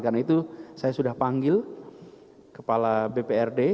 karena itu saya sudah panggil kepala bprd